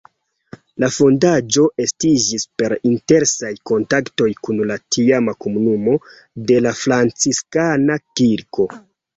La fondaĵo estiĝis per intensaj kontaktoj kun la tiama komunumo de la Franciskana kirko.